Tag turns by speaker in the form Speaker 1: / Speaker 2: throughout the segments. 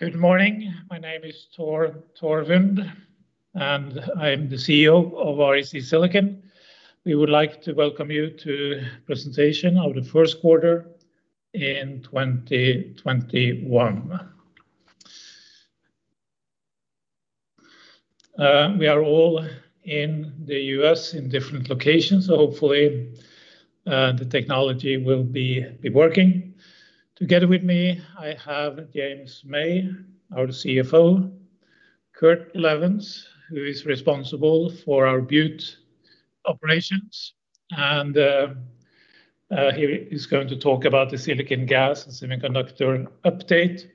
Speaker 1: Good morning. My name is Tore Torvund, I'm the CEO of REC Silicon. We would like to welcome you to presentation of the first quarter in 2021. We are all in the U.S. in different locations, hopefully the technology will be working. Together with me, I have James May, our CFO, Kurt Levens, who is responsible for our Butte operations, he is going to talk about the silicon gas and semiconductor update.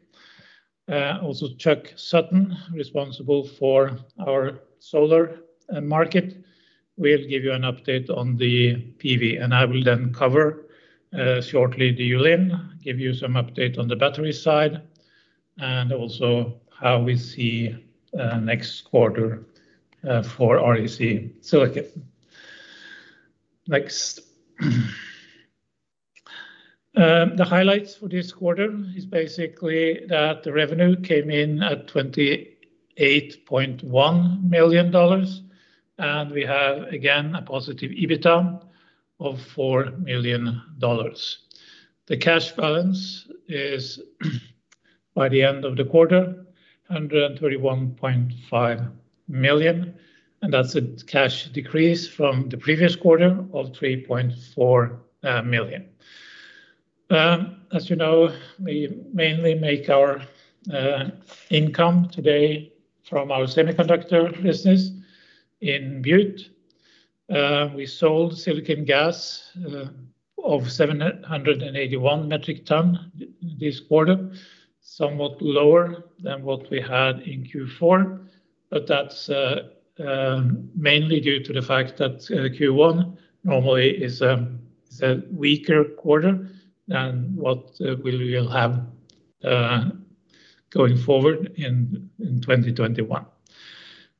Speaker 1: Chuck Sutton, responsible for our solar market, will give you an update on the PV. I will then cover shortly the Yulin, give you some update on the battery side, also how we see next quarter for REC Silicon. Next. The highlights for this quarter is basically that the revenue came in at $28.1 million. We have, again, a positive EBITDA of $4 million. The cash balance is, by the end of the quarter, $131.5 million, and that's a cash decrease from the previous quarter of $3.4 million. As you know, we mainly make our income today from our semiconductor business in Butte. We sold silicon gas of 781 metric tons this quarter, somewhat lower than what we had in Q4. That's mainly due to the fact that Q1 normally is a weaker quarter than what we will have going forward in 2021.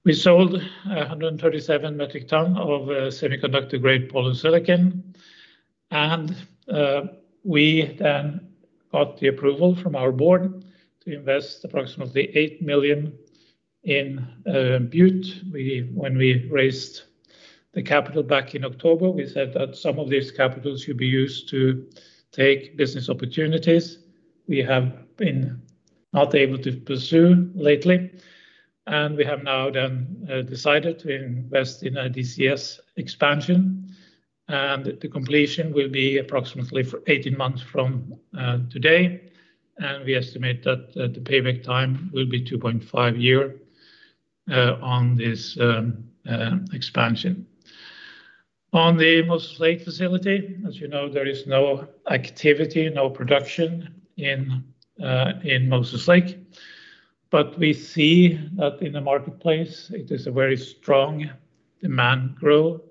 Speaker 1: We sold 137 metric tons of semiconductor-grade polysilicon, and we then got the approval from our board to invest approximately $8 million in Butte. When we raised the capital back in October, we said that some of this capital should be used to take business opportunities we have been not able to pursue lately. We have now decided to invest in a DCS expansion, and the completion will be approximately 18 months from today. We estimate that the payback time will be two and half year on this expansion. On the Moses Lake facility, as you know, there is no activity, no production in Moses Lake. We see that in the marketplace it is a very strong demand growth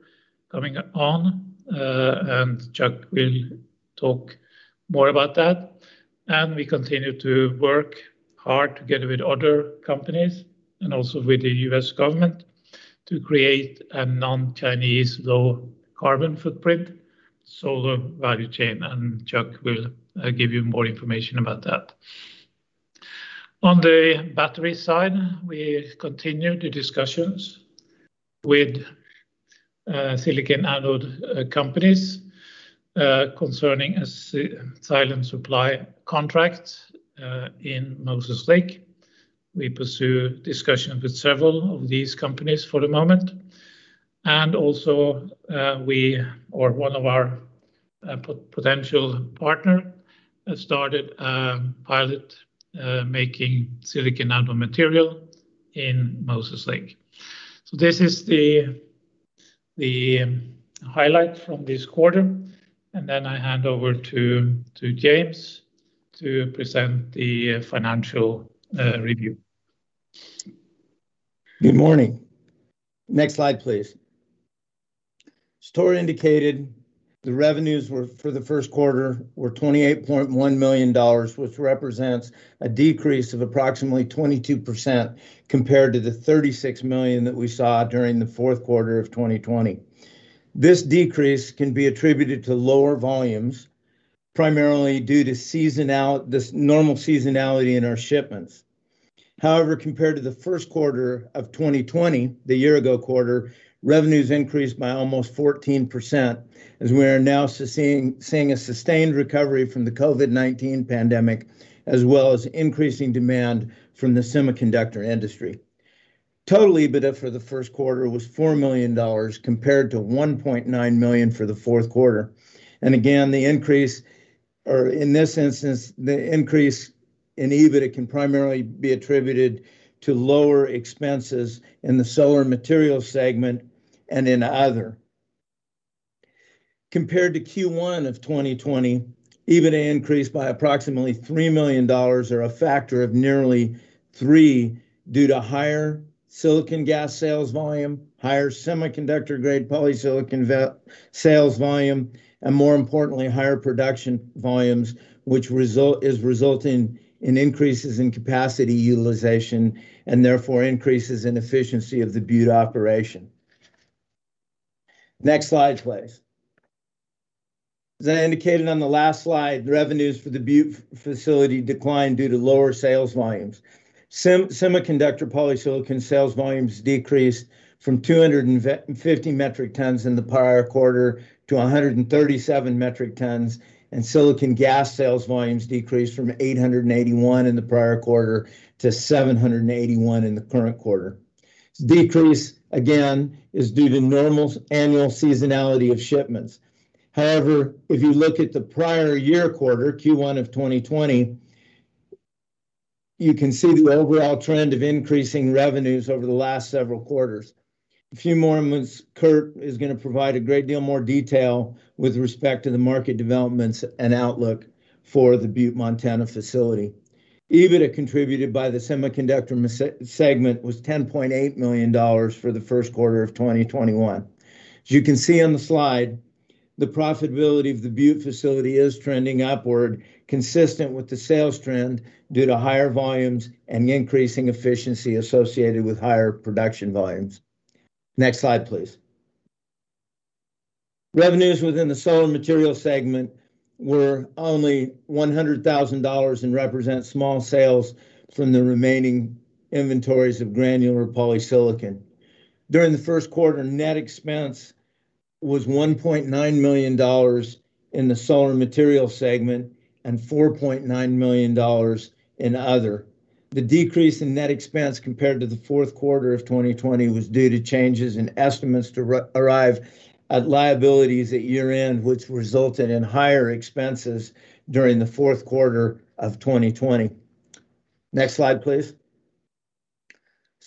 Speaker 1: coming on, and Chuck will talk more about that. We continue to work hard together with other companies and also with the U.S. government to create a non-Chinese, low carbon footprint solar value chain, and Chuck will give you more information about that. On the battery side, we continue the discussions with silicon anode companies concerning a silane supply contract in Moses Lake. We pursue discussions with several of these companies for the moment. Also we, or one of our potential partner started a pilot making silicon anode material in Moses Lake. This is the highlight from this quarter. I hand over to James to present the financial review.
Speaker 2: Good morning. Next slide, please. As Tore indicated, the revenues for the first quarter were $28.1 million, which represents a decrease of approximately 22% compared to the $36 million that we saw during the fourth quarter of 2020. This decrease can be attributed to lower volumes, primarily due to this normal seasonality in our shipments. Compared to the first quarter of 2020, the year-ago quarter, revenues increased by almost 14%, as we are now seeing a sustained recovery from the COVID-19 pandemic, as well as increasing demand from the semiconductor industry. Total EBITDA for the first quarter was $4 million, compared to $1.9 million for the fourth quarter. In this instance, the increase in EBITDA can primarily be attributed to lower expenses in the solar materials segment and in other. Compared to Q1 of 2020, EBITDA increased by approximately $3 million, or a factor of nearly $3, due to higher silicon gas sales volume, higher semiconductor-grade polysilicon sales volume, and more importantly, higher production volumes, which is resulting in increases in capacity utilization and therefore increases in efficiency of the Butte operation. Next slide, please. As I indicated on the last slide, the revenues for the Butte facility declined due to lower sales volumes. Semiconductor polysilicon sales volumes decreased from 250 metric tons in the prior quarter to 137 metric tons, and silicon gas sales volumes decreased from 881 metric tons in the prior quarter to 781 metric tons in the current quarter. This decrease, again, is due to normal annual seasonality of shipments. If you look at the prior year quarter, Q1 of 2020, you can see the overall trend of increasing revenues over the last several quarters. In a few more moments, Kurt is going to provide a great deal more detail with respect to the market developments and outlook for the Butte, Montana facility. EBITDA contributed by the semiconductor segment was $10.8 million for the first quarter of 2021. As you can see on the slide, the profitability of the Butte facility is trending upward, consistent with the sales trend due to higher volumes and the increasing efficiency associated with higher production volumes. Next slide, please. Revenues within the solar materials segment were only $100,000 and represent small sales from the remaining inventories of granular polysilicon. During the first quarter, net expense was $1.9 million in the solar materials segment and $4.9 million in other. The decrease in net expense compared to the fourth quarter of 2020 was due to changes in estimates to arrive at liabilities at year-end, which resulted in higher expenses during the fourth quarter of 2020. Next slide, please.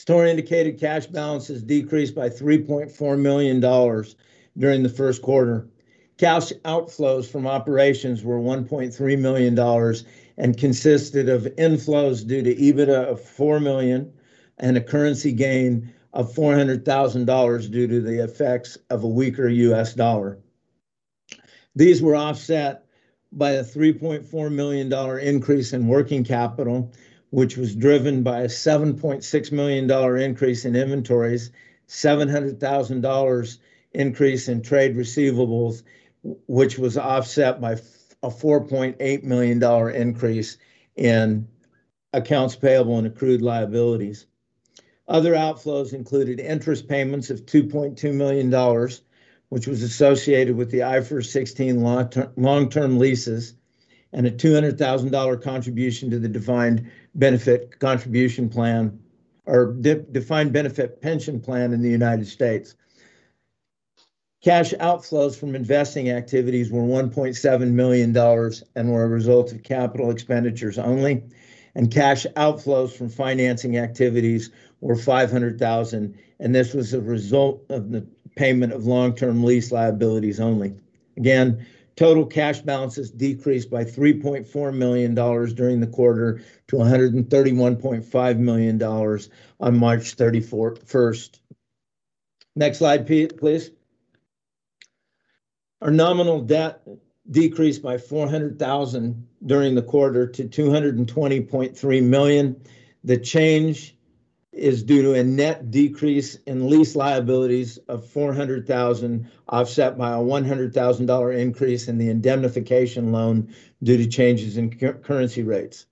Speaker 2: REC-indicated cash balances decreased by $3.4 million during the first quarter. Cash outflows from operations were $1.3 million and consisted of inflows due to EBITDA of $4 million and a currency gain of $400,000 due to the effects of a weaker U.S. dollar. These were offset by a $3.4 million increase in working capital, which was driven by a $7.6 million increase in inventories, $700,000 increase in trade receivables, which was offset by a $4.8 million increase in accounts payable and accrued liabilities. Other outflows included interest payments of $2.2 million, which was associated with the IFRS 16 long-term leases, and a $200,000 contribution to the defined benefit contribution plan or defined benefit pension plan in the United States. Cash outflows from investing activities were $1.7 million and were a result of capital expenditures only, and cash outflows from financing activities were $500,000, and this was a result of the payment of long-term lease liabilities only. Again, total cash balances decreased by $3.4 million during the quarter to $131.5 million on March 31st. Next slide, please. Our nominal debt decreased by $400,000 during the quarter to $220.3 million. The change is due to a net decrease in lease liabilities of $400,000, offset by a $100,000 increase in the indemnification loan due to changes in currency rates.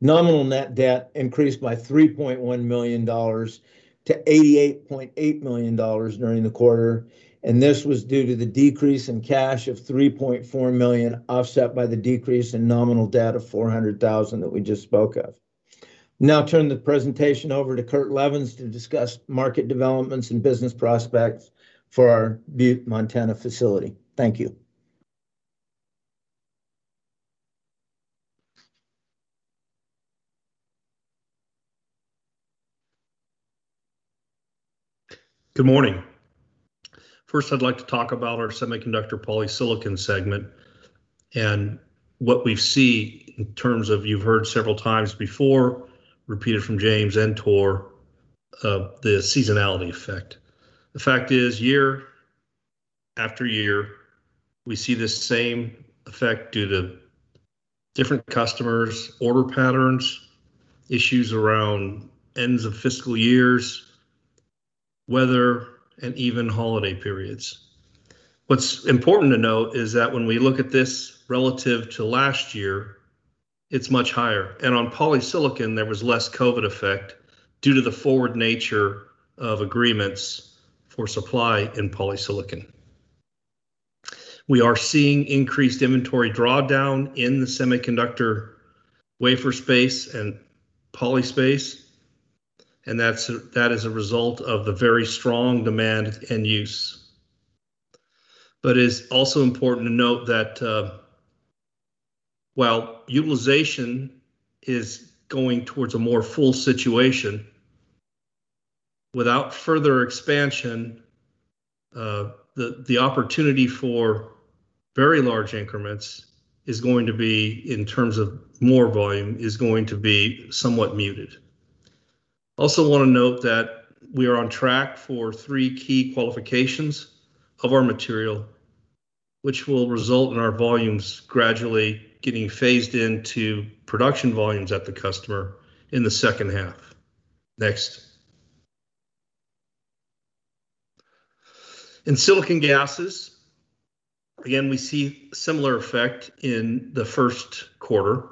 Speaker 2: Nominal net debt increased by $3.1 million to $88.8 million during the quarter, and this was due to the decrease in cash of $3.4 million, offset by the decrease in nominal debt of $400,000 that we just spoke of. Now I turn the presentation over to Kurt Levens to discuss market developments and business prospects for our Butte, Montana facility. Thank you.
Speaker 3: Good morning. First, I'd like to talk about our semiconductor polysilicon segment and what we see in terms of, you've heard several times before, repeated from James and Tore, the seasonality effect. The fact is, year after year, we see the same effect due to different customers' order patterns, issues around ends of fiscal years, weather, and even holiday periods. What's important to note is that when we look at this relative to last year, it's much higher. On polysilicon, there was less COVID-19 effect due to the forward nature of agreements for supply in polysilicon. We are seeing increased inventory drawdown in the semiconductor wafer space and poly space, and that is a result of the very strong demand end use. It's also important to note that while utilization is going towards a more full situation, without further expansion, the opportunity for very large increments, in terms of more volume, is going to be somewhat muted. Want to note that we are on track for three key qualifications of our material, which will result in our volumes gradually getting phased into production volumes at the customer in the second half. Next. In silicon gases, again, we see similar effect in the first quarter.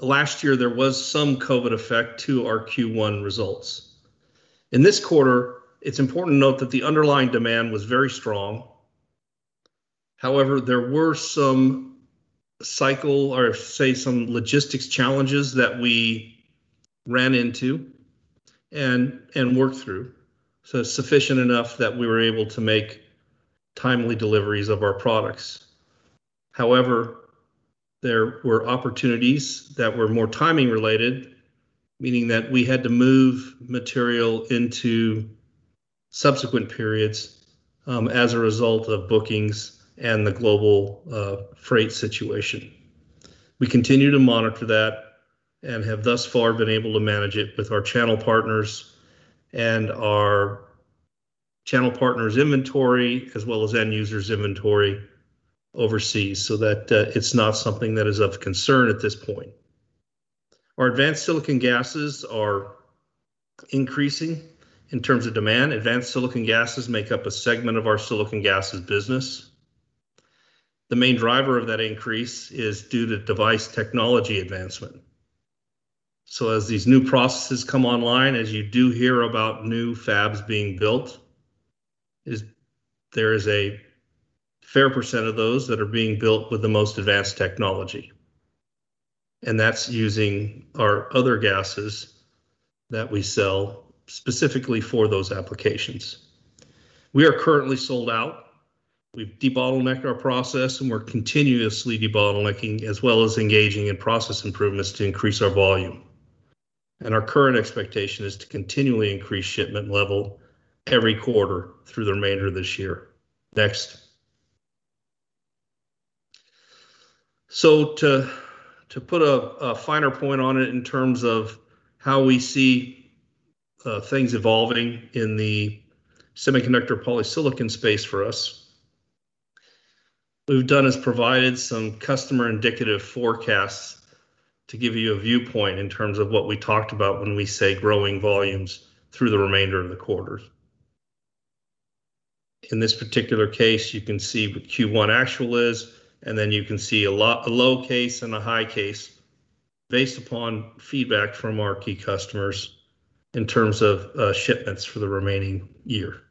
Speaker 3: Last year there was some COVID-19 effect to our Q1 results. In this quarter, it's important to note that the underlying demand was very strong. There were some cycle, or say, some logistics challenges that we ran into and worked through, sufficient enough that we were able to make timely deliveries of our products. There were opportunities that were more timing related, meaning that we had to move material into subsequent periods as a result of bookings and the global freight situation. We continue to monitor that and have thus far been able to manage it with our channel partners and our channel partners' inventory, as well as end users' inventory overseas, so that it's not something that is of concern at this point. Our advanced silicon gases are increasing in terms of demand. Advanced silicon gases make up a segment of our silicon gases business. The main driver of that increase is due to device technology advancement. As these new processes come online, as you do hear about new fabs being built, there is a fair percent of those that are being built with the most advanced technology, and that's using our other gases that we sell specifically for those applications. We are currently sold out. We've de-bottlenecked our process, and we're continuously de-bottlenecking, as well as engaging in process improvements to increase our volume. Our current expectation is to continually increase shipment level every quarter through the remainder of this year. Next. To put a finer point on it in terms of how we see things evolving in the semiconductor polysilicon space for us, what we've done is provided some customer indicative forecasts to give you a viewpoint in terms of what we talked about when we say growing volumes through the remainder of the quarters. In this particular case, you can see what Q1 actual is, and then you can see a low case and a high case based upon feedback from our key customers in terms of shipments for the remaining year.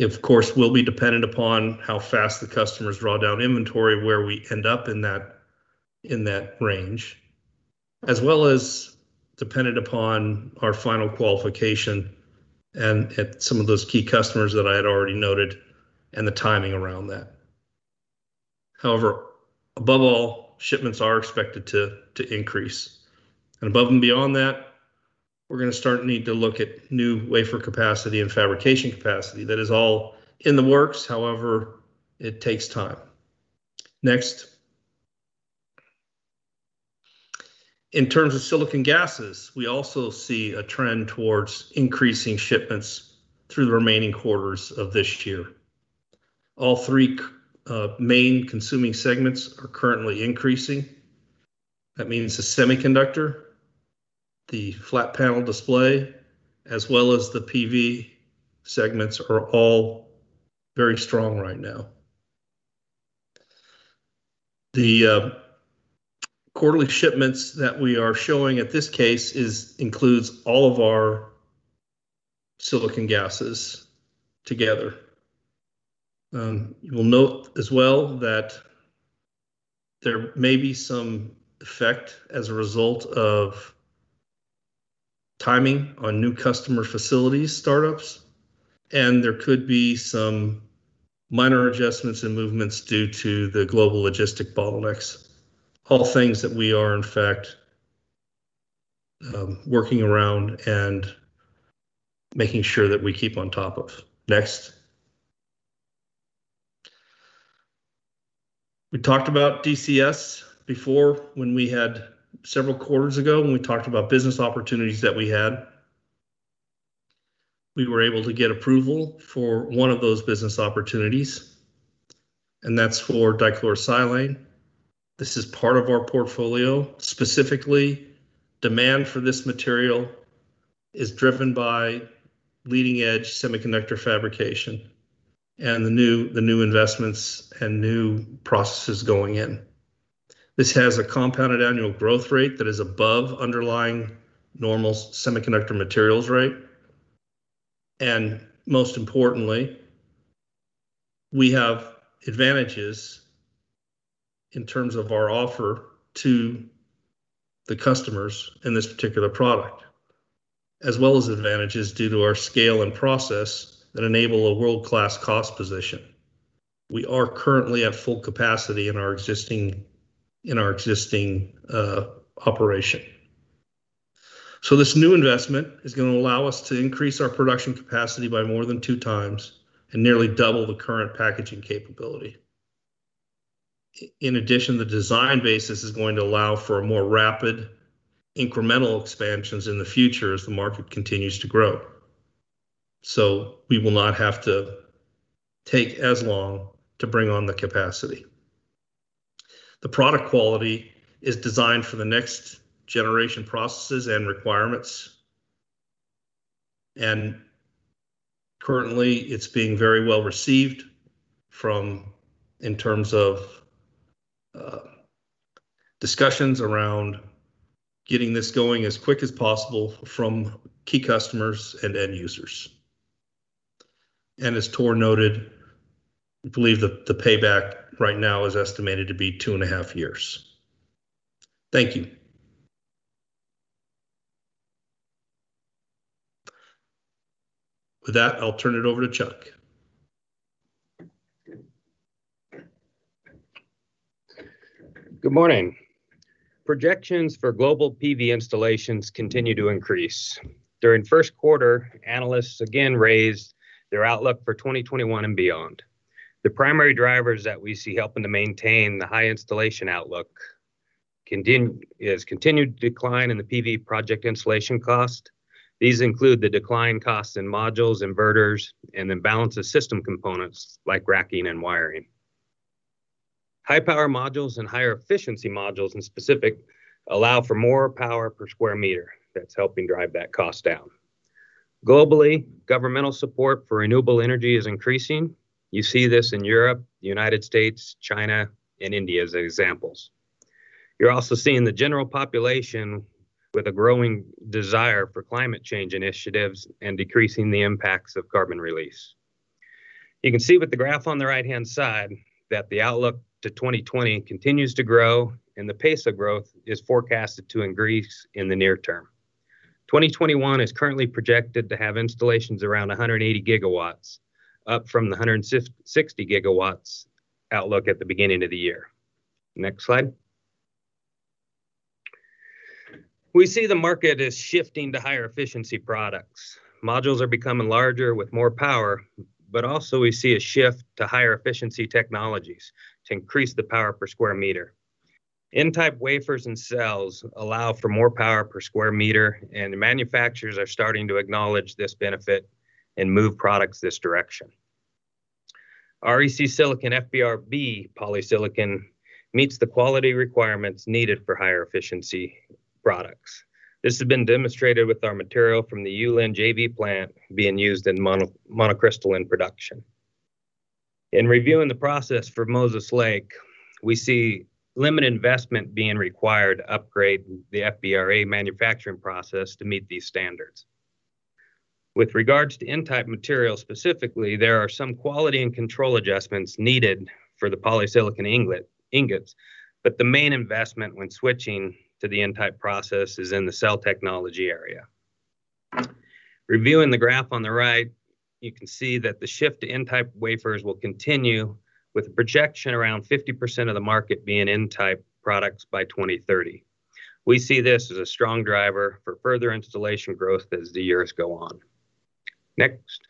Speaker 3: Of course, we'll be dependent upon how fast the customers draw down inventory, where we end up in that range, as well as dependent upon our final qualification at some of those key customers that I had already noted and the timing around that. Above all, shipments are expected to increase. Above and beyond that, we're going to start to need to look at new wafer capacity and fabrication capacity. That is all in the works. It takes time. Next. In terms of silicon gases, we also see a trend towards increasing shipments through the remaining quarters of this year. All three main consuming segments are currently increasing. That means the semiconductor, the flat panel display, as well as the PV segments are all very strong right now. The quarterly shipments that we are showing at this case includes all of our silicon gases together. You will note as well that there may be some effect as a result of timing on new customer facilities startups, and there could be some minor adjustments and movements due to the global logistic bottlenecks. All things that we are in fact working around and making sure that we keep on top of. We talked about DCS before, several quarters ago, when we talked about business opportunities that we had. We were able to get approval for one of those business opportunities, and that's for dichlorosilane. This is part of our portfolio. Specifically, demand for this material is driven by leading-edge semiconductor fabrication and the new investments and new processes going in. This has a compounded annual growth rate that is above underlying normal semiconductor materials rate. Most importantly, we have advantages in terms of our offer to the customers in this particular product, as well as advantages due to our scale and process that enable a world-class cost position. We are currently at full capacity in our existing operation. This new investment is going to allow us to increase our production capacity by more than two times and nearly double the current packaging capability. In addition, the design basis is going to allow for more rapid incremental expansions in the future as the market continues to grow. We will not have to take as long to bring on the capacity. The product quality is designed for the next generation processes and requirements. Currently, it's being very well received in terms of discussions around getting this going as quick as possible from key customers and end users. As Tore noted, we believe that the payback right now is estimated to be two and a half years. Thank you. With that, I'll turn it over to Chuck.
Speaker 4: Good morning. Projections for global PV installations continue to increase. During first quarter, analysts again raised their outlook for 2021 and beyond. The primary drivers that we see helping to maintain the high installation outlook is continued decline in the PV project installation cost. These include the decline costs in modules, inverters, and then balance of system components, like racking and wiring. High power modules and higher efficiency modules in specific, allow for more power per square meter. That's helping drive that cost down. Globally, governmental support for renewable energy is increasing. You see this in Europe, the U.S., China, and India as examples. You're also seeing the general population with a growing desire for climate change initiatives and decreasing the impacts of carbon release. You can see with the graph on the right-hand side that the outlook to 2020 continues to grow, and the pace of growth is forecasted to increase in the near term. 2021 is currently projected to have installations around 180 GW, up from the 160 GW outlook at the beginning of the year. Next slide. We see the market is shifting to higher efficiency products. Modules are becoming larger with more power, but also we see a shift to higher efficiency technologies to increase the power per square meter. N-type wafers and cells allow for more power per square meter, and the manufacturers are starting to acknowledge this benefit and move products this direction. REC Silicon FBR-B polysilicon meets the quality requirements needed for higher efficiency products. This has been demonstrated with our material from the Yulin JV plant being used in monocrystalline production. In reviewing the process for Moses Lake, we see limited investment being required to upgrade the FBR-A manufacturing process to meet these standards. With regards to N-type material specifically, there are some quality and control adjustments needed for the polysilicon ingots, but the main investment when switching to the N-type process is in the cell technology area. Reviewing the graph on the right, you can see that the shift to N-type wafers will continue with a projection around 50% of the market being N-type products by 2030. We see this as a strong driver for further installation growth as the years go on. Next.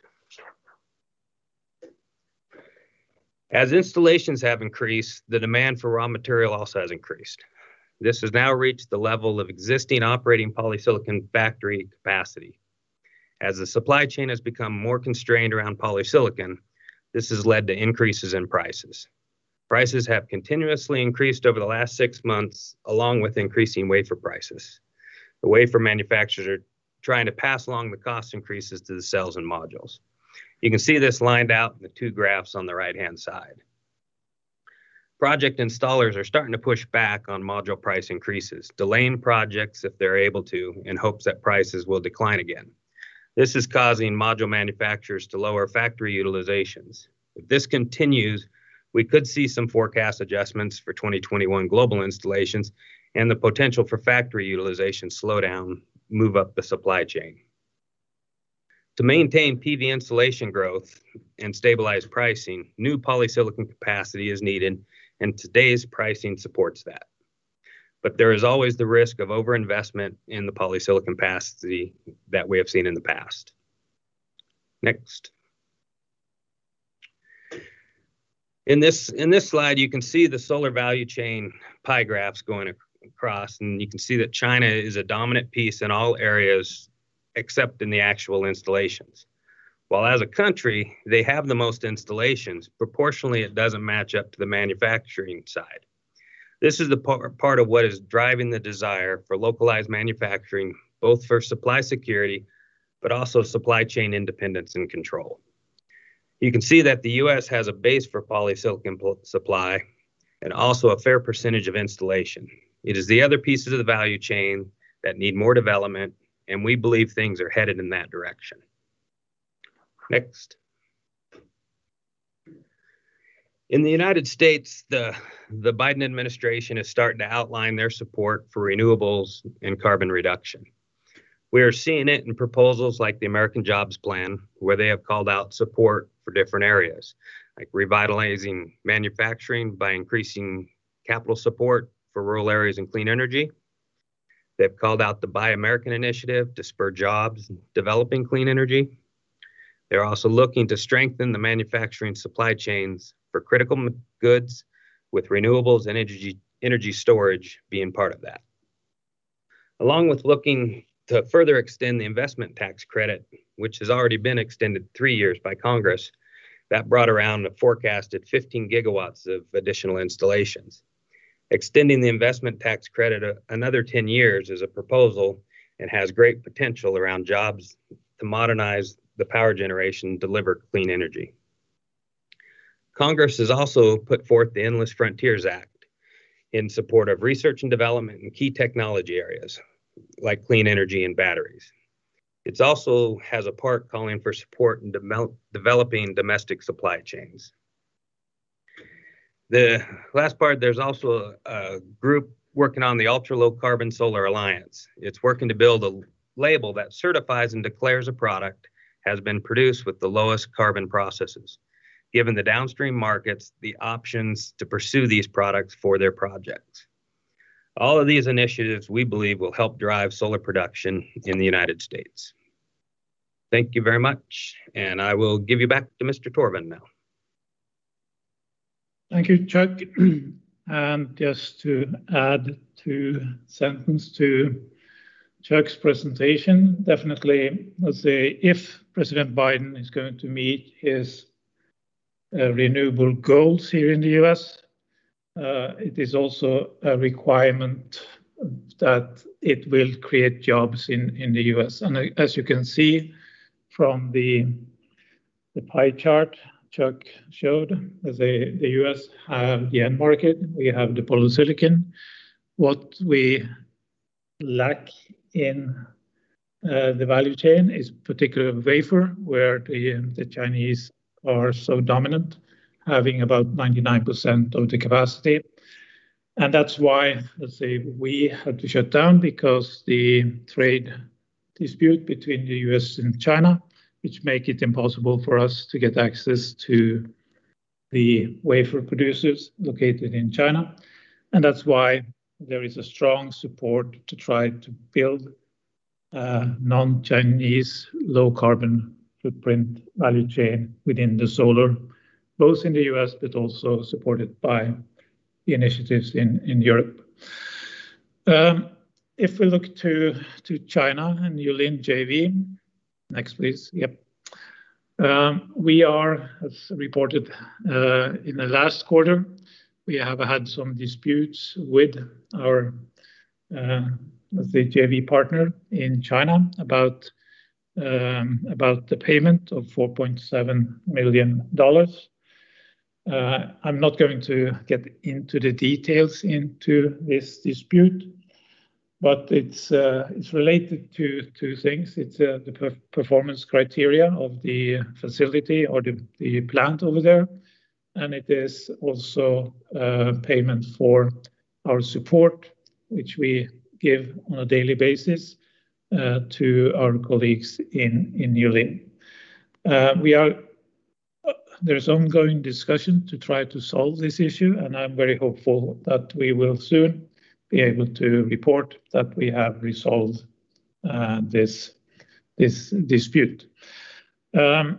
Speaker 4: As installations have increased, the demand for raw material also has increased. This has now reached the level of existing operating polysilicon factory capacity. As the supply chain has become more constrained around polysilicon, this has led to increases in prices. Prices have continuously increased over the last six months, along with increasing wafer prices. The wafer manufacturers are trying to pass along the cost increases to the cells and modules. You can see this lined out in the two graphs on the right-hand side. Project installers are starting to push back on module price increases, delaying projects if they're able to, in hopes that prices will decline again. This is causing module manufacturers to lower factory utilizations. If this continues, we could see some forecast adjustments for 2021 global installations and the potential for factory utilization slowdown move up the supply chain. To maintain PV installation growth and stabilize pricing, new polysilicon capacity is needed, and today's pricing supports that. There is always the risk of overinvestment in the polysilicon capacity that we have seen in the past. Next. In this slide, you can see the solar value chain pie graphs going across, and you can see that China is a dominant piece in all areas except in the actual installations. While as a country, they have the most installations, proportionally it doesn't match up to the manufacturing side. This is the part of what is driving the desire for localized manufacturing, both for supply security, but also supply chain independence and control. You can see that the U.S. has a base for polysilicon supply and also a fair percentage of installation. It is the other pieces of the value chain that need more development, and we believe things are headed in that direction. Next. In the United States, the Biden administration is starting to outline their support for renewables and carbon reduction. We are seeing it in proposals like the American Jobs Plan, where they have called out support for different areas, like revitalizing manufacturing by increasing capital support for rural areas and clean energy. They've called out the Buy American initiative to spur jobs in developing clean energy. They're also looking to strengthen the manufacturing supply chains for critical goods with renewables and energy storage being part of that. Along with looking to further extend the investment tax credit, which has already been extended three years by Congress, that brought around a forecast at 15 GW of additional installations. Extending the investment tax credit another 10 years is a proposal and has great potential around jobs to modernize the power generation and deliver clean energy. Congress has also put forth the Endless Frontier Act in support of research and development in key technology areas like clean energy and batteries. It also has a part calling for support in developing domestic supply chains. The last part, there's also a group working on the Ultra Low-Carbon Solar Alliance. It's working to build a label that certifies and declares a product has been produced with the lowest carbon processes, giving the downstream markets the options to pursue these products for their projects. All of these initiatives, we believe, will help drive solar production in the United States. Thank you very much, and I will give you back to Mr. Torvund now.
Speaker 1: Thank you, Chuck. Just to add two sentences to Chuck's presentation, definitely, let's say if President Biden is going to meet his renewable goals here in the U.S., it is also a requirement that it will create jobs in the U.S. As you can see from the pie chart Chuck showed, the U.S. have the N-type market. We have the polysilicon. What we lack in the value chain is particular wafer, where the Chinese are so dominant, having about 99% of the capacity. That's why, let's say, we had to shut down because the trade dispute between the U.S. and China, which make it impossible for us to get access to the wafer producers located in China. That's why there is a strong support to try to build a non-Chinese, low carbon footprint value chain within the solar, both in the U.S. but also supported by the initiatives in Europe. If we look to China and Yulin JV. Next, please. Yep. We are, as reported in the last quarter, we have had some disputes with our JV partner in China about the payment of $4.7 million. I'm not going to get into the details into this dispute, but it's related to two things. It's the performance criteria of the facility or the plant over there, and it is also payment for our support, which we give on a daily basis to our colleagues in Yulin. There's ongoing discussion to try to solve this issue, and I'm very hopeful that we will soon be able to report that we have resolved this dispute. The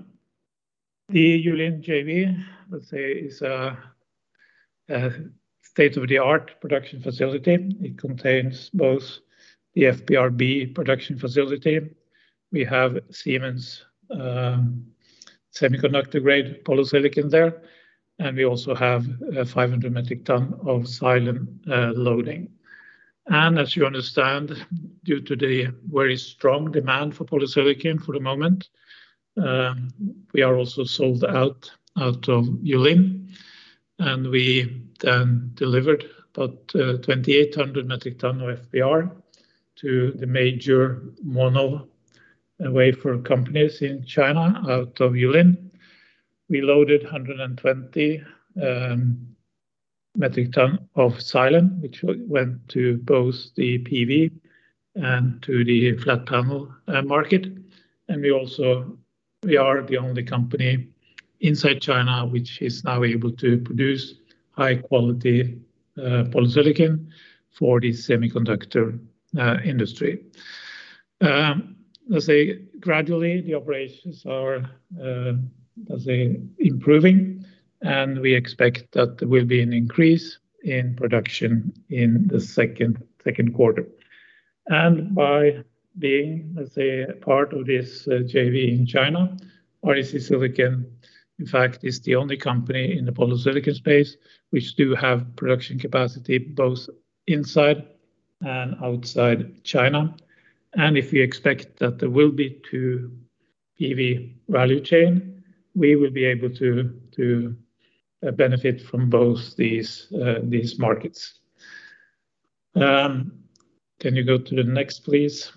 Speaker 1: Yulin JV, let's say, is a state-of-the-art production facility. It contains both the FBR production facility. We have Siemens semiconductor grade polysilicon there, We also have 500 metric tons of silane loading. As you understand, due to the very strong demand for polysilicon for the moment, we are also sold out of Yulin, We then delivered about 2,800 metric tons of FBR to the major mono wafer companies in China out of Yulin. We loaded 120 metric tons of silane, which went to both the PV and to the flat panel market. We are the only company inside China which is now able to produce high-quality polysilicon for the semiconductor industry. Let's say gradually, the operations are improving, We expect that there will be an increase in production in the second quarter. By being part of this Yulin JV in China, REC Silicon, in fact, is the only company in the polysilicon space which do have production capacity both inside and outside China. If you expect that there will be two PV value chain, we will be able to benefit from both these markets. Can you go to the next, please?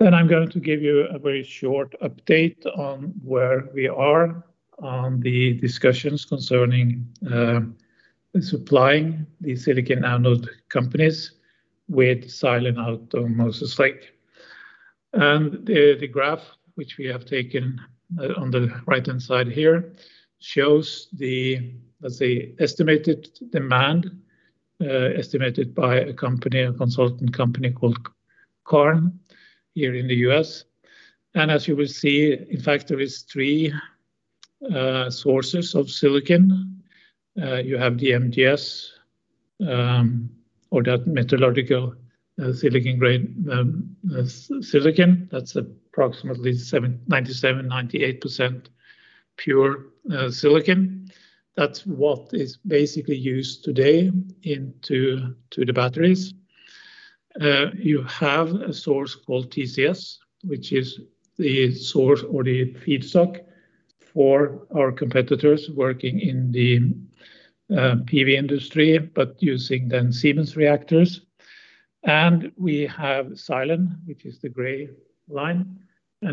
Speaker 1: I'm going to give you a very short update on where we are on the discussions concerning supplying the silicon anode companies with silane out of Moses Lake. The graph, which we have taken on the right-hand side here, shows the estimated demand, estimated by a consultant company called Cairn, here in the U.S. As you will see, in fact, there is three sources of silicon. You have the MGS, or that metallurgical grade silicon, that's approximately 97%, 98% pure silicon. That's what is basically used today into the batteries. You have a source called TCS, which is the source or the feedstock for our competitors working in the PV industry, using Siemens reactors. We have silane, which is the gray line.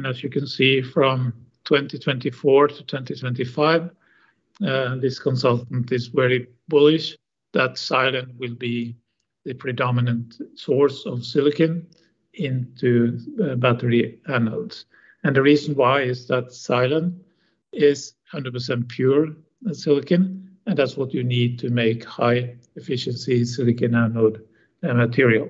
Speaker 1: As you can see from 2024 to 2025, this consultant is very bullish that silane will be the predominant source of silicon into battery anodes. The reason why is that silane is 100% pure silicon, and that's what you need to make high-efficiency silicon anode material.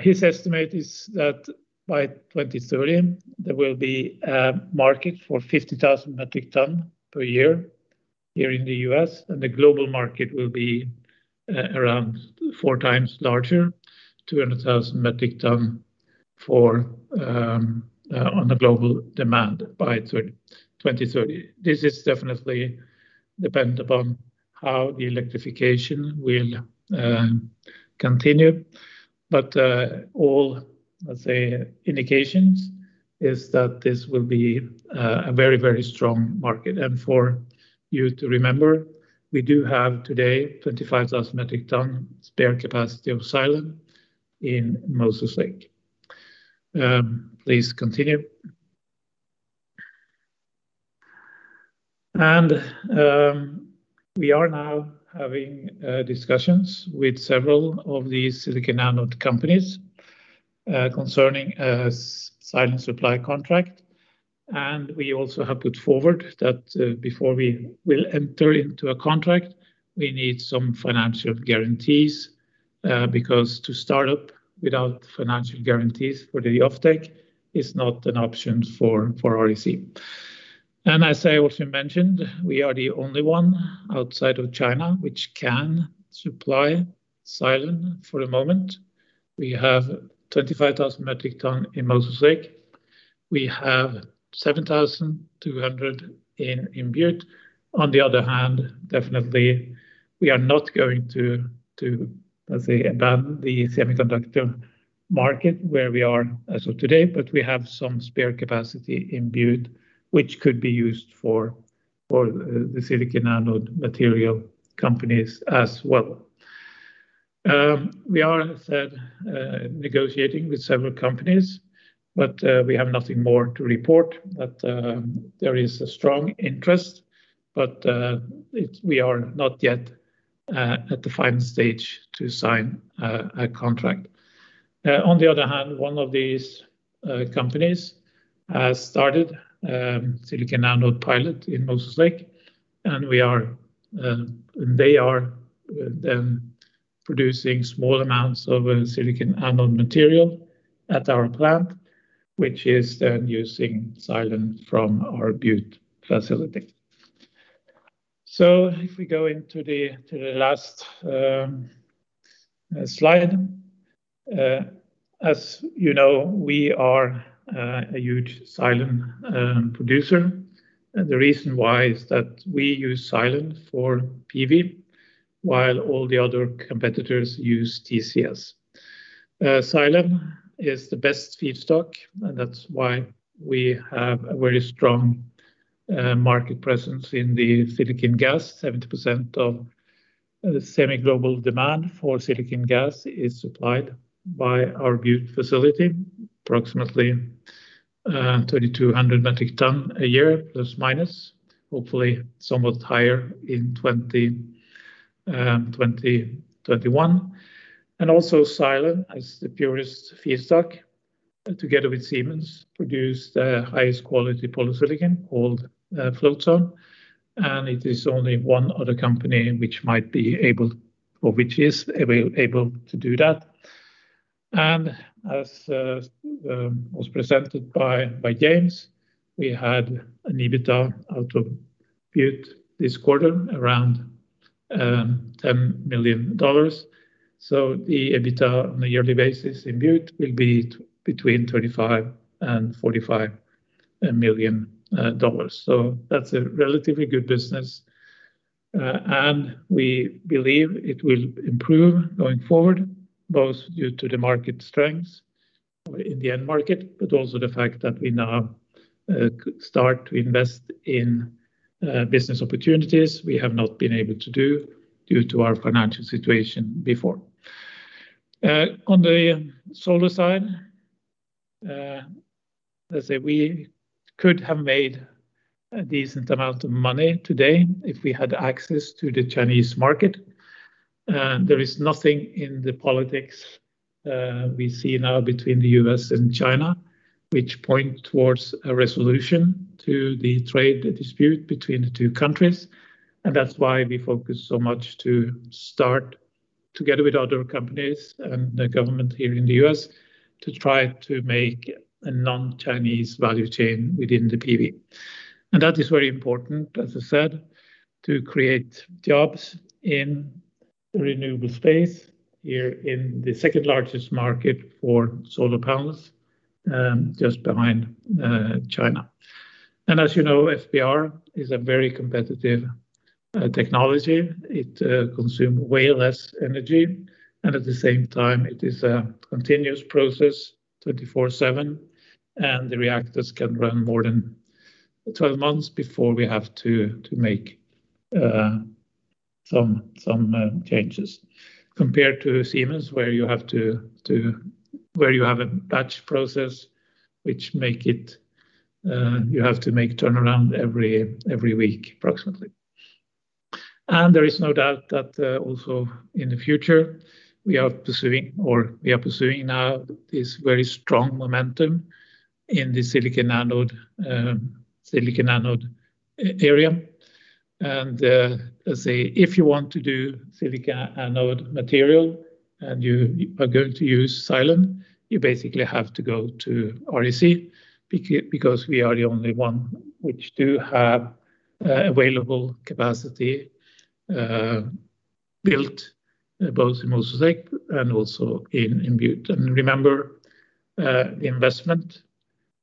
Speaker 1: His estimate is that by 2030, there will be a market for 50,000 metric ton per year here in the U.S., and the global market will be around four times larger, 200,000 metric ton on the global demand by 2030. This definitely depends upon how the electrification will continue. All indications is that this will be a very strong market. For you to remember, we do have today 25,000 metric ton spare capacity of silane in Moses Lake. Please continue. We are now having discussions with several of these silicon anode companies concerning a silane supply contract, and we also have put forward that before we will enter into a contract, we need some financial guarantees, because to start up without financial guarantees for the offtake is not an option for REC. As I also mentioned, we are the only one outside of China which can supply silane for the moment. We have 25,000 metric ton in Moses Lake. We have 7,200 in Butte. On the other hand, definitely, we are not going to abandon the semiconductor market where we are as of today, but we have some spare capacity in Butte, which could be used for the silicon anode material companies as well. We are, as I said, negotiating with several companies, but we have nothing more to report, that there is a strong interest, but we are not yet at the final stage to sign a contract. On the other hand, one of these companies has started silicon anode pilot in Moses Lake, and they are then producing small amounts of silicon anode material at our plant, which is then using silane from our Butte facility. If we go into the last slide. As you know, we are a huge silane producer. The reason why is that we use silane for PV, while all the other competitors use TCS. Silane is the best feedstock, that's why we have a very strong market presence in the silicon gas. 70% of the semi-global demand for silicon gas is supplied by our Butte facility, approximately 3,200 metric tons a year, plus/minus. Hopefully, somewhat higher in 2021. Also silane as the purest feedstock, together with Siemens, produce the highest quality polysilicon called float zone. It is only one other company which is able to do that. As was presented by James, we had an EBITDA out of Butte this quarter around $10 million. The EBITDA on a yearly basis in Butte will be between $25 million and $45 million. That's a relatively good business, and we believe it will improve going forward, both due to the market strengths in the end market, but also the fact that we now start to invest in business opportunities we have not been able to do due to our financial situation before. On the solar side. Let's say we could have made a decent amount of money today if we had access to the Chinese market. There is nothing in the politics we see now between the U.S. and China which point towards a resolution to the trade dispute between the two countries. That's why we focus so much to start together with other companies and the government here in the U.S. to try to make a non-Chinese value chain within the PV. That is very important, as I said, to create jobs in the renewable space here in the second largest market for solar panels, just behind China. As you know, FBR is a very competitive technology. It consume way less energy, and at the same time, it is a continuous process, 24/7. The reactors can run more than 12 months before we have to make some changes. Compared to Siemens, where you have a batch process, which you have to make turnaround every week, approximately. There is no doubt that also in the future, we are pursuing now this very strong momentum in the silicon anode area. Let's say, if you want to do silicon anode material and you are going to use silane, you basically have to go to REC because we are the only one which do have available capacity built both in Moses Lake and also in Butte. Remember, the investment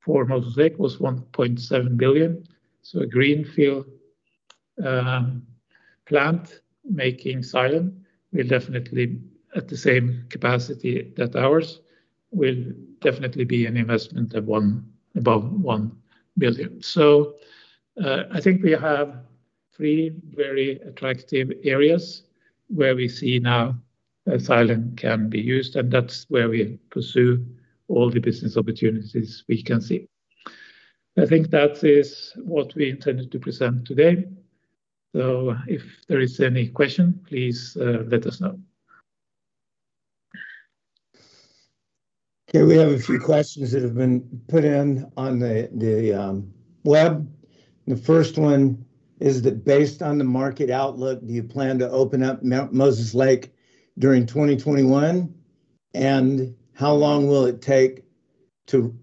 Speaker 1: for Moses Lake was $1.7 billion. A greenfield plant making silane will definitely at the same capacity that ours will definitely be an investment of above $1 billion. I think we have three very attractive areas where we see now that silane can be used, and that's where we pursue all the business opportunities we can see. I think that is what we intended to present today. If there is any question, please let us know.
Speaker 2: Okay, we have a few questions that have been put in on the web. The first one is that based on the market outlook, do you plan to open up Moses Lake during 2021? How long will it take to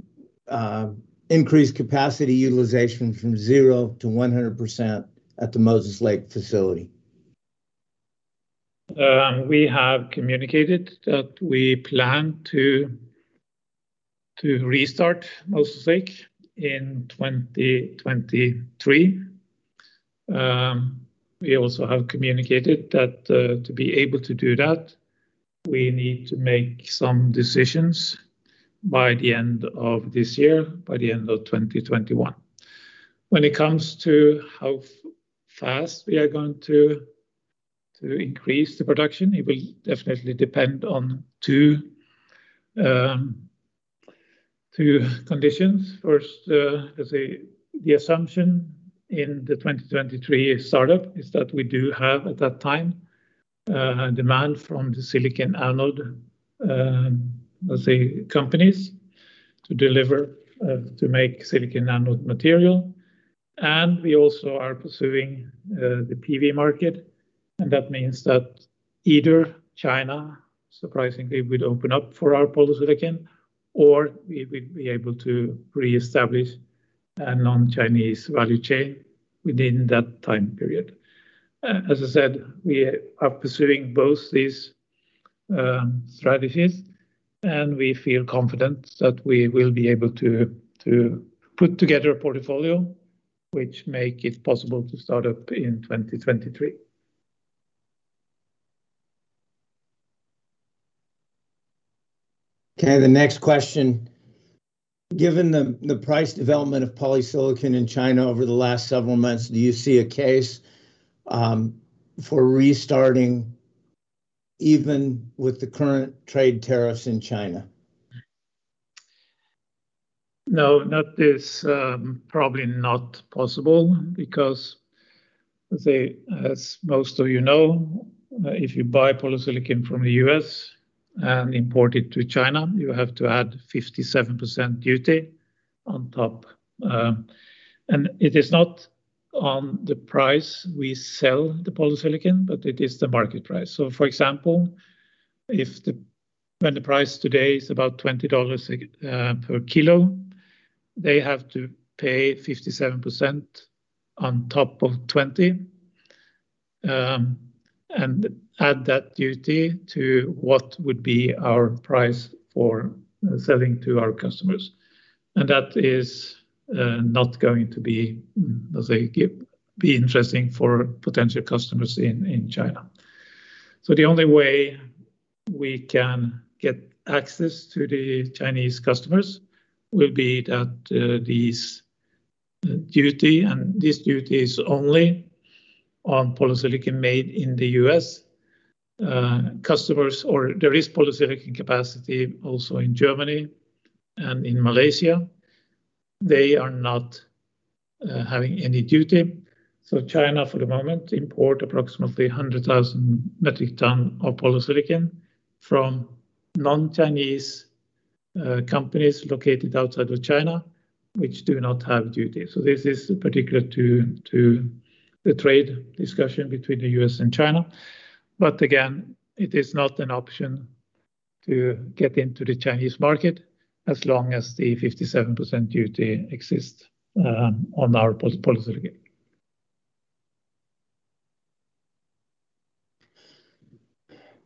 Speaker 2: increase capacity utilization from 0% to 100% at the Moses Lake facility?
Speaker 1: We have communicated that we plan to restart Moses Lake in 2023. We also have communicated that to be able to do that, we need to make some decisions by the end of this year, by the end of 2021. When it comes to how fast we are going to increase the production, it will definitely depend on two conditions. First, let's say the assumption in the 2023 startup is that we do have at that time, demand from the silicon anode, let's say, companies to deliver to make silicon anode material. We also are pursuing the PV market, and that means that either China, surprisingly, will open up for our polysilicon, or we will be able to reestablish a non-Chinese value chain within that time period. As I said, we are pursuing both these strategies, and we feel confident that we will be able to put together a portfolio which makes it possible to start up in 2023.
Speaker 2: Okay, the next question. Given the price development of polysilicon in China over the last several months, do you see a case for restarting even with the current trade tariffs in China?
Speaker 1: No, that is probably not possible because, let's say, as most of you know, if you buy polysilicon from the U.S. and import it to China, you have to add 57% duty on top. It is not on the price we sell the polysilicon, but it is the market price. For example, when the price today is about $20/kg, they have to pay 57% on top of 20, and add that duty to what would be our price for selling to our customers. That is not going to be interesting for potential customers in China. The only way we can get access to the Chinese customers will be that the duty, and this duty is only on polysilicon made in the U.S. There is polysilicon capacity also in Germany and in Malaysia. They are not having any duty. China, for the moment, imports approximately 100,000 metric ton of polysilicon from non-Chinese companies located outside of China, which do not have duty. This is particular to the trade discussion between the U.S. and China. Again, it is not an option to get into the Chinese market as long as the 57% duty exists on our polysilicon.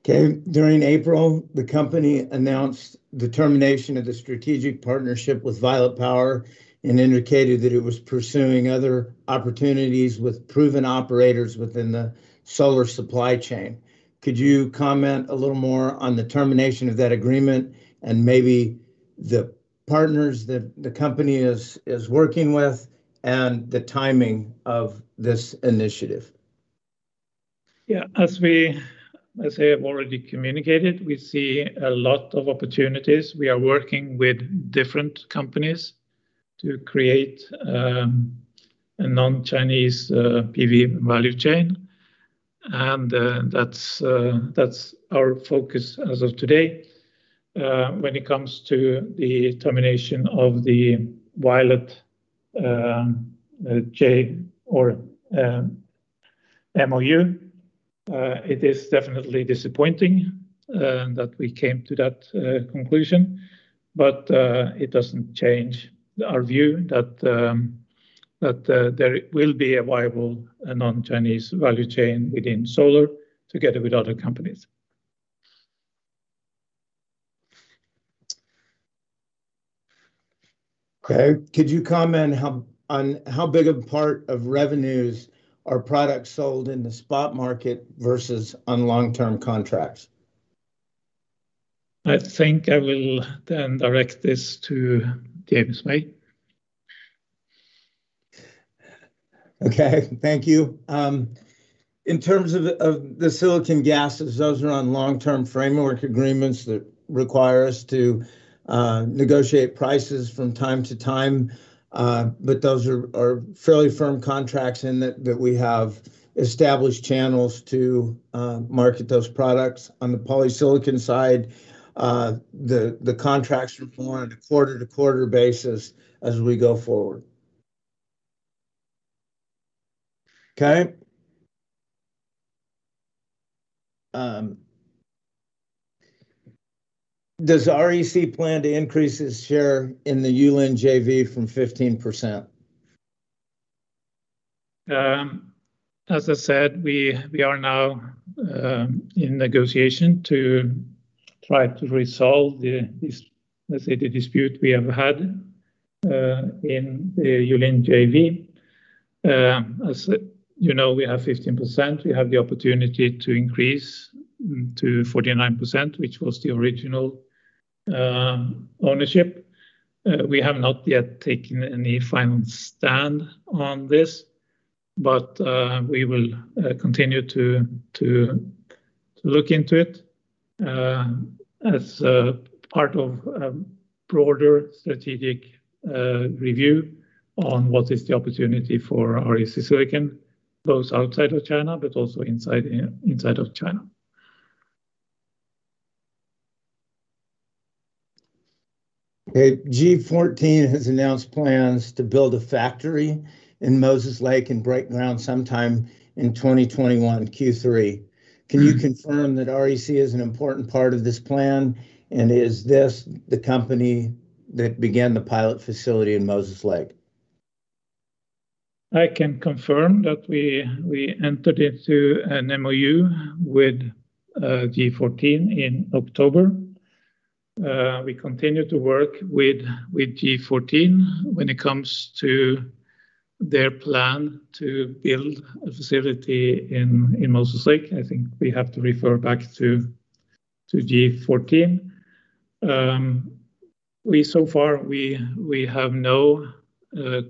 Speaker 2: Okay. During April, the company announced the termination of the strategic partnership with Violet Power and indicated that it was pursuing other opportunities with proven operators within the solar supply chain. Could you comment a little more on the termination of that agreement and maybe the partners that the company is working with and the timing of this initiative?
Speaker 1: Yeah. As I have already communicated, we see a lot of opportunities. We are working with different companies to create a non-Chinese PV value chain. That's our focus as of today. When it comes to the termination of the Violet MOU, it is definitely disappointing that we came to that conclusion. It doesn't change our view that there will be a viable non-Chinese value chain within solar together with other companies.
Speaker 2: Okay. Could you comment on how big a part of revenues are products sold in the spot market versus on long-term contracts?
Speaker 1: I think I will then direct this to James May.
Speaker 2: Okay. Thank you. In terms of the silicon gases, those are on long-term framework agreements that require us to negotiate prices from time to time. Those are fairly firm contracts in that we have established channels to market those products. On the polysilicon side, the contracts are formed quarter-to-quarter basis as we go forward. Okay. Does REC plan to increase its share in the Yulin JV from 15%?
Speaker 1: As I said, we are now in negotiation to try to resolve, let's say, the dispute we have had in the Yulin JV. As you know, we have 15%. We have the opportunity to increase to 49%, which was the original ownership. We have not yet taken any final stand on this. We will continue to look into it as a part of a broader strategic review on what is the opportunity for REC Silicon, both outside of China but also inside of China.
Speaker 2: Okay. Group14 has announced plans to build a factory in Moses Lake and break ground sometime in 2021, Q3. Can you confirm that REC is an important part of this plan? Is this the company that began the pilot facility in Moses Lake?
Speaker 1: I can confirm that we entered into an MOU with Group14 in October. We continue to work with Group14. When it comes to their plan to build a facility in Moses Lake, I think we have to refer back to Group14. Far, we have no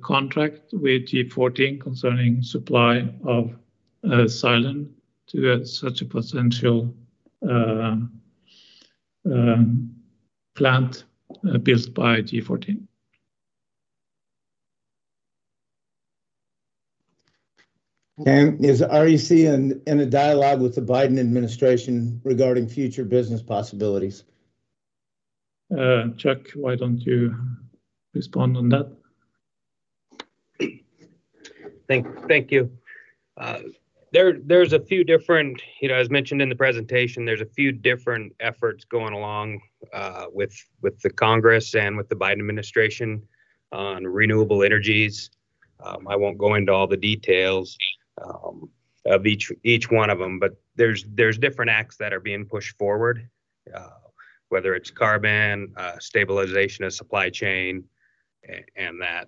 Speaker 1: contract with Group14 concerning supply of silane to such a potential plant built by Group14.
Speaker 2: Is REC in a dialogue with the Biden administration regarding future business possibilities?
Speaker 1: Chuck, why don't you respond on that?
Speaker 4: Thank you. As mentioned in the presentation, there's a few different efforts going along with the Congress and with the Biden administration on renewable energies. I won't go into all the details of each one of them, but there's different acts that are being pushed forward, whether it's carbon, stabilization of supply chain, and that.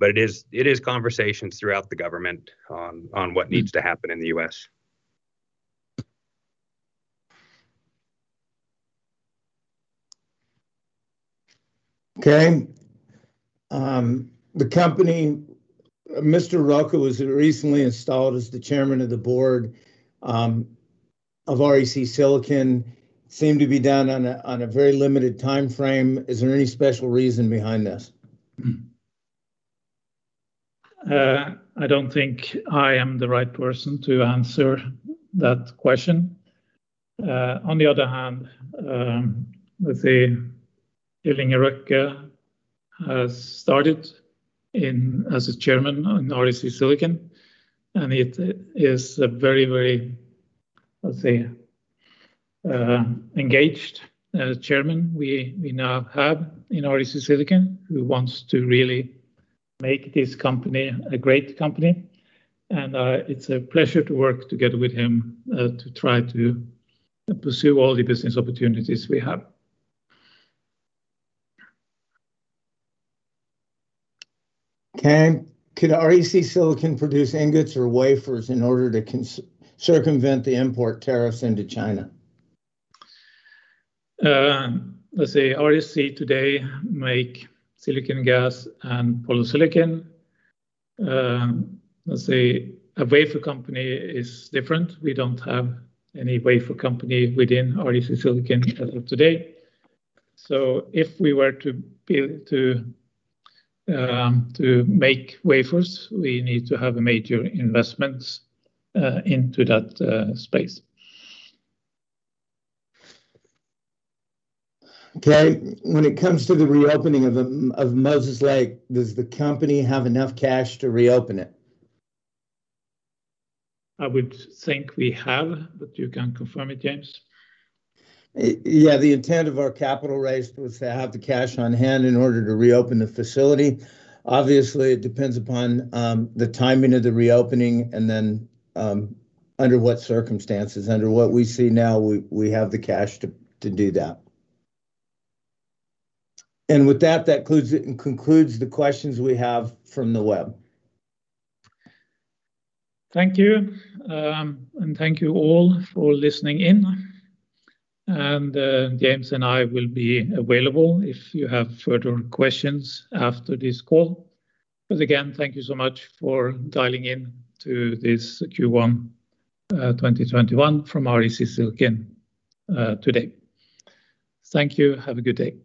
Speaker 4: It is conversations throughout the government on what needs to happen in the U.S.
Speaker 2: The company, Mr. Røkke was recently installed as the Chairman of the Board of REC Silicon, seemed to be done on a very limited timeframe. Is there any special reason behind this?
Speaker 1: I don't think I am the right person to answer that question. On the other hand, let's say, Kjell Inge Røkke has started in as a Chairman on REC Silicon, and he is a very engaged Chairman we now have in REC Silicon who wants to really make this company a great company. It's a pleasure to work together with him to try to pursue all the business opportunities we have.
Speaker 2: Okay. Could REC Silicon produce ingots or wafers in order to circumvent the import tariffs into China?
Speaker 1: Let's say REC today make silicon gas and polysilicon. Let's say a wafer company is different. We don't have any wafer company within REC Silicon as of today. If we were to build to make wafers, we need to have major investments into that space.
Speaker 2: Okay. When it comes to the reopening of Moses Lake, does the company have enough cash to reopen it?
Speaker 1: I would think we have, but you can confirm it, James.
Speaker 2: Yeah. The intent of our capital raise was to have the cash on hand in order to reopen the facility. Obviously, it depends upon the timing of the reopening and then under what circumstances. Under what we see now, we have the cash to do that. With that concludes the questions we have from the web.
Speaker 1: Thank you. Thank you all for listening in. James and I will be available if you have further questions after this call. Again, thank you so much for dialing in to this Q1 2021 from REC Silicon today. Thank you. Have a good day.